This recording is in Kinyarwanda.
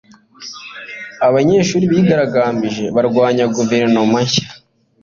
abanyeshuri bigaragambije barwanya guverinoma nshya